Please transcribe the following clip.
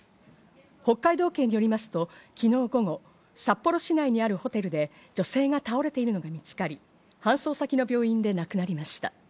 北海道警によりますと、昨日午後、札幌市内にあるホテルで女性が倒れているのが見つかり搬送先の病院で亡くなりました。